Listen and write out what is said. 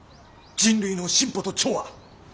「人類の進歩と調和」。